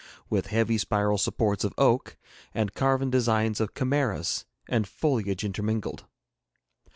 with heavy spiral supports of oak, and carven designs of chimeras and foliage intermingled.